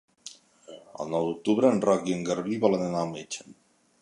El nou d'octubre en Roc i en Garbí volen anar al metge.